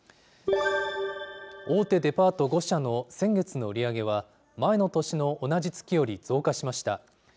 大手デパート５社の先月の売り上げは、前の年の同じ月より増加しました。